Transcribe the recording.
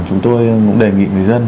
chúng tôi cũng đề nghị người dân